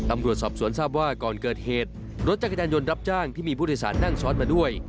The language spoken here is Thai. ตำรวจสอบสวนทราบว่าก่อนเกิดเหตุรถจักรยานยนต์รับจ้างที่มีผู้โดยสารนั่งซ้อนมาด้วย